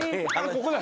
ここだ。